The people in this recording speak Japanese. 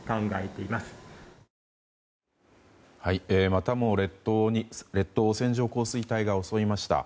またも列島を線状降水帯が襲いました。